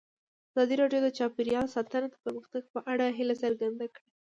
ازادي راډیو د چاپیریال ساتنه د پرمختګ په اړه هیله څرګنده کړې.